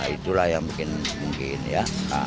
itulah yang mungkin ya